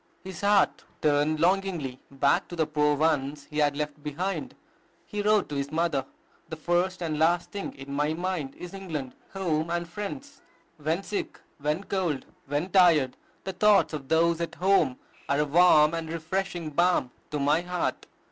His heart turned longingly back to the poor ones he had left behind. He wrote to his mother, "The first and last thing in my mind is England, home, and friends. When sick, when cold, when tired, the thoughts of those at home are a warm and refreshing balm to my heart....